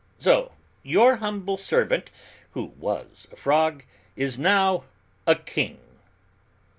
So your humble servant, who was a frog, is now a king.